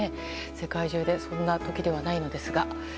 世界中でそんな時ではないのですが。